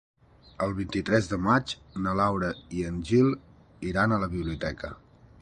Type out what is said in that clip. El vint-i-tres de maig na Laura i en Gil iran a la biblioteca.